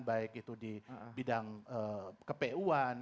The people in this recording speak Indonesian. baik itu di bidang ke pu an